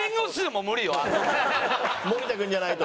森田君じゃないと。